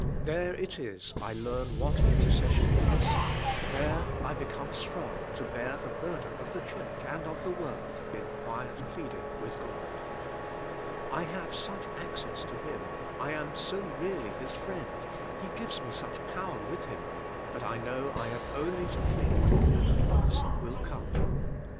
There it is I learn what intercession is; there I become strong to bear the burden of the church and of the world in quiet pleading with God. I have such access to Him, I am so reall}" His friend. He gives me such power with Him that I know I have only to plead and an answer will come.